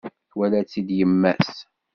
Twala-tt-id yemma-s.